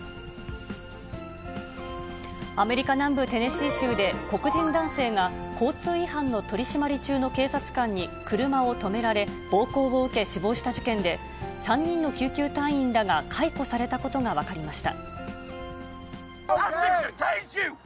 アメリカ南部テネシー州で、黒人男性が交通違反の取締り中の警察官に車を止められ、暴行を受け死亡した事件で、３人の救急隊員らが解雇されたことが分かりました。